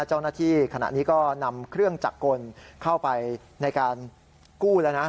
เจ้าหน้าที่ขณะนี้ก็นำเครื่องจักรกลเข้าไปในการกู้แล้วนะ